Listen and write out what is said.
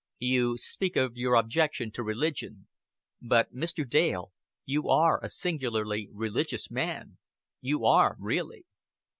"You speak of your objection to religion; but, Mr. Dale, you are a singularly religious man. You are, really."